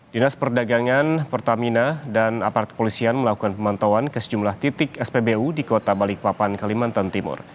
dinas perdagangan pertamina dan aparat kepolisian melakukan pemantauan ke sejumlah titik spbu di kota balikpapan kalimantan timur